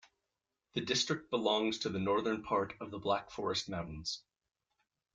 The district belongs to the northern part of the Black Forest mountains.